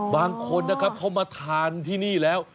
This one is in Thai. บางคนนะครับเขามาทานที่นี่แล้ว